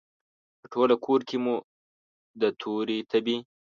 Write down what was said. په ټوله کورکې کې مو د تورې تبې،